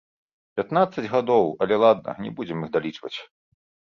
Пятнаццаць гадоў, але ладна, не будзем іх далічваць.